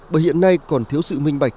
bởi hiện nay còn thiếu sự minh bạch